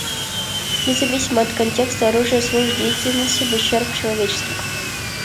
Независимо от контекста, оружие служит деятельности в ущерб человечеству.